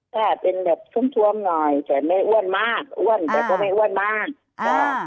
ใช่แบบช่วงน้อยแต่ไม่อ้วนมากอ่า